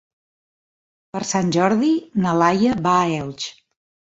Per Sant Jordi na Laia va a Elx.